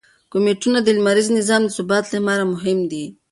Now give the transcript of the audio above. کومیټونه د لمریز نظام د ثبات لپاره مهم دي.